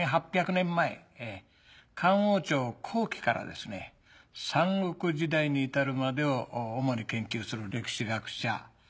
１８００年前漢王朝後期からですね三国時代に至るまでを主に研究する歴史学者